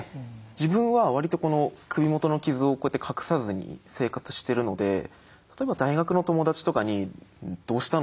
自分は割とこの首元の傷をこうやって隠さずに生活してるので例えば大学の友達とかに「どうしたの？